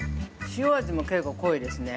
塩味も結構、濃いですね。